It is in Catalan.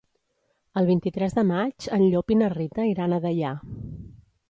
El vint-i-tres de maig en Llop i na Rita iran a Deià.